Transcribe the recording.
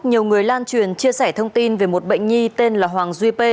nhiều người lan truyền chia sẻ thông tin về một bệnh nhi tên là hoàng duy p